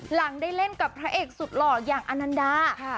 หลังได้เล่นกับพระเอกสุดหล่ออย่างอนันดา